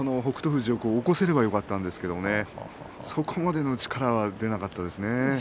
富士を起こせればよかったんですがそこまでの力は出なかったですね。